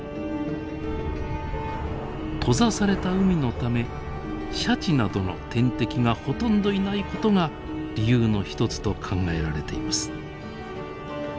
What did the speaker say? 閉ざされた海のためシャチなどの天敵がほとんどいないことが理由の一つと考えられています。